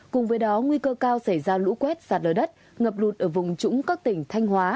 cùng với đó nguy cơ cao xảy ra lũ quét sạt lở đất ngập lụt ở vùng trũng các tỉnh thanh hóa